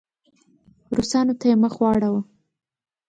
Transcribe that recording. روسانو ته یې مخ واړاوه.